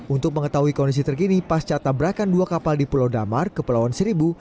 untuk mengetahui kondisi terkini pasca tabrakan dua kapal di pulau damar kepulauan seribu